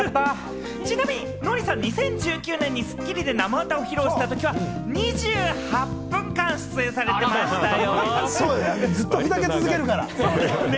ちなみにノリさん、２０１９年に『スッキリ』で生歌を披露したときは２８分間、出演されてましたよ。